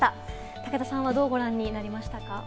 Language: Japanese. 武田さん、どうご覧になりましたか？